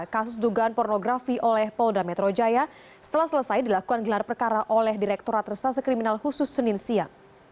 kasus dugaan pornografi oleh polda metro jaya setelah selesai dilakukan gelar perkara oleh direkturat resase kriminal khusus senin siang